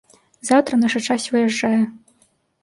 Заўтра наша часць выязджае.